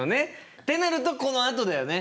ってなるとこのあとだよね。